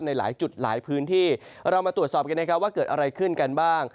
ในหลายจุดหลายพื้นที่เรามาตรวจสอบกันนะครับว่าเกิดอะไรขึ้นกันบ้าง